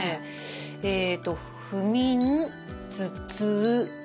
えっと「不眠」「頭痛」「めまい」。